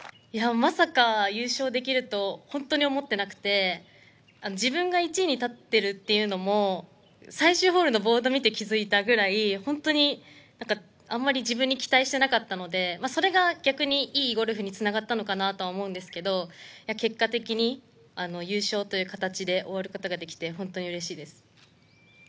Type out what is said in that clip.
まさか優勝できるとは本当に思ってなくて、自分が１位に立っているというのも、最終ホールのボードを見て気づいたぐらいで、本当に何かあんまり自分に期待してなかったのでそれが逆にいいゴルフにつながったのかなと思うんですけど、結果的に優勝という形で終わることができて、本当にうれしいです。